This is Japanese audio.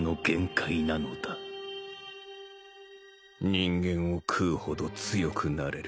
人間を喰うほど強くなれる。